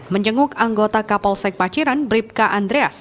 menjenguk anggota kapolsek paciran bribka andreas